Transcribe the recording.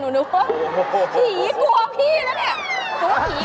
หนูนึกว่าผีกลัวผีแล้วเนี่ย